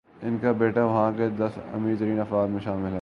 ان کا بیٹا وہاں کے دس امیرترین افراد میں شامل ہے۔